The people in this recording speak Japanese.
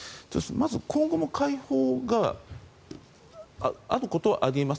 まず今後も解放があることはあり得ます。